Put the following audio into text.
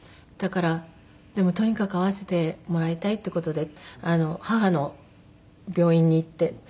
だからでもとにかく会わせてもらいたいっていう事で母の病院に行って。